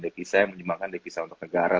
devisa yang menyumbangkan devisa untuk negara